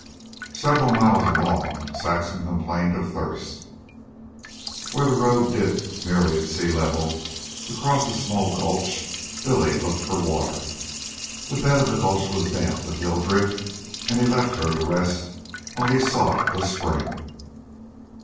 Several miles along Saxon complained of thirst. Where the road dipped nearly at sea level to cross a small gulch Billy looked for water. The bed of the gulch was damp with hill drip, and he left her to rest while he sought a spring.